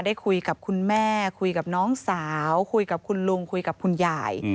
ได้คุยกับคุณแม่คุยกับน้องสาวคุยกับคุณลุงคุยกับคุณยาย